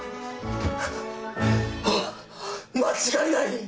あっ間違いない！